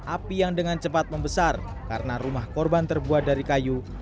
api yang dengan cepat membesar karena rumah korban terbuat dari kayu